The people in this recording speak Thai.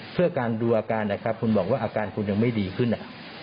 เพื่อการดูอาการนะครับคุณบอกว่าอาการคุณยังไม่ดีขึ้น